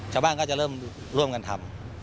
ชาวบ้านก็จะเริ่มร่วมกันทำ